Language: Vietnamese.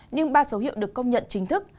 nhưng ba dấu hiệu được công nhận chính thức